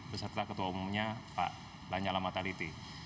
beserta ketua umumnya pak lanyala mataliti